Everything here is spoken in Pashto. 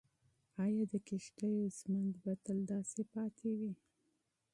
ایا د کيږديو ژوند به تل داسې پاتې وي؟